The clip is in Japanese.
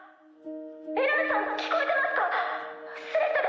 エランさん聞こえてますか？